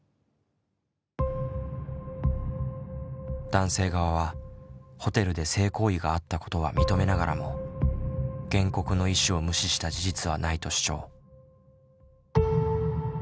男性側はホテルで性行為があったことは認めながらも原告の意思を無視した事実はないと主張。